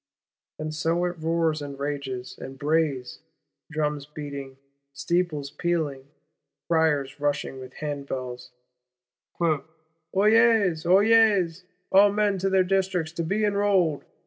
And so it roars, and rages, and brays; drums beating, steeples pealing; criers rushing with hand bells: 'Oyez, oyez. All men to their Districts to be enrolled!